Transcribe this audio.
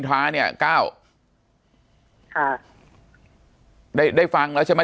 ปากกับภาคภูมิ